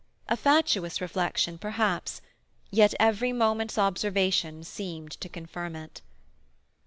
A fatuous reflection, perhaps; yet every moment's observation seemed to confirm it.